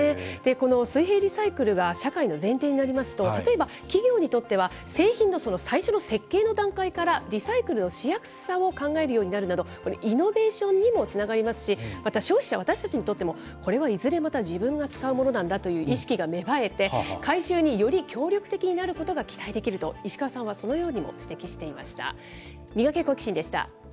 この水平リサイクルが社会の前提になりますと、例えば企業にとっては、製品の最初の設計の段階から、リサイクルのしやすさを考えるようになるなど、イノベーションにもつながりますし、また消費者、私たちにとっても、これはいずれまた自分が使うものなんだという意識が芽生えて、回収により協力的になることが期待できると、石川さんはそのようにも指摘していました。